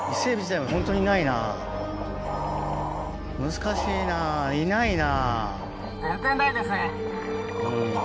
難しいないないな。